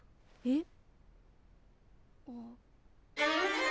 えっ。